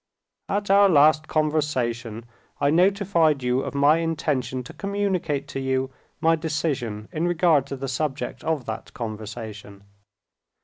"At our last conversation, I notified you of my intention to communicate to you my decision in regard to the subject of that conversation.